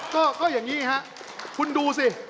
ก็อย่างนี้ฮะคุณดูสิ